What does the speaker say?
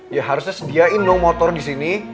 ya harusnya sediain dong motor disini